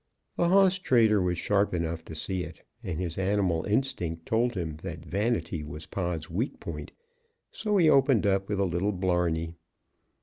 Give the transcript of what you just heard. The hoss trader was sharp enough to see it, and his animal instinct told him that vanity was Pod's weak point; so he opened up with a little blarney.